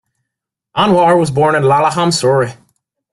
Anwar was born in Laleham, Surrey.